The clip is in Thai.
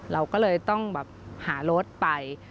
เราก็เลยต้องแบบหารถไป